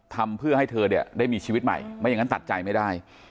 ทำเพื่อให้เธอเนี่ยได้มีชีวิตใหม่ไม่อย่างนั้นตัดใจไม่ได้